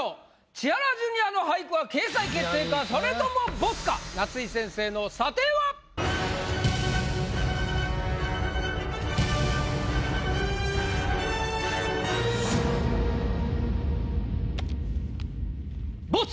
千原ジュニアの俳句は掲載決定か⁉それともボツか⁉夏井先生の査定は⁉ボツ！